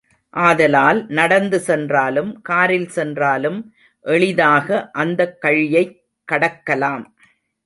ஆதலால் நடந்து சென்றாலும் காரில் சென்றாலும், எளிதாக அந்தக் கழியைக் கடக்கலாம்.